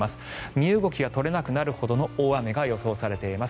身動きが取れなくなるほどの大雨が予想されています。